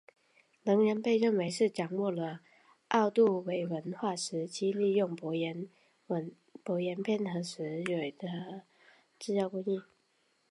能人被认为是掌握了奥杜韦文化时期利用薄岩片和石芯的制造工艺。